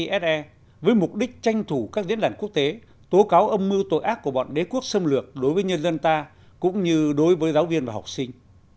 công đoàn giáo dục việt nam đã liên hệ với fise với mục đích tranh thủ các diễn đàn quốc tế tố cáo âm mưu tội ác của bọn đế quốc xâm lược đối với nhân dân ta cũng như đối với giáo viên và học sinh